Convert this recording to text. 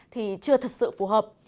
thì chưa thật sự phù hợp